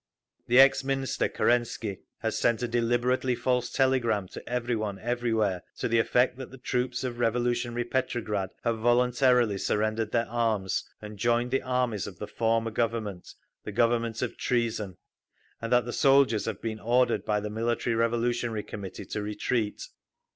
_ The ex Minister Kerensky has sent a deliberately false telegram to every one everywhere to the effect that the troops of revolutionary Petrograd have voluntarily surrendered their arms and joined the armies of the former Government, the Government of Treason, and that the soldiers have been ordered by the Military Revolutionary Committee to retreat.